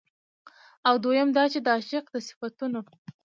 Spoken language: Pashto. او دويم دا چې د عاشق د صفتونو